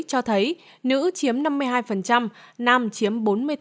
cho thấy nữ chiếm năm mươi hai nam chiếm bốn mươi tám